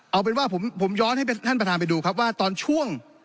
เอาเป็นว่าผมย้อนให้ท่านประธานไปดูครับว่าตอนช่วง